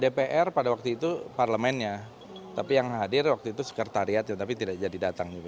dpr pada waktu itu parlemennya tapi yang hadir waktu itu sekretariat tetapi tidak jadi datang juga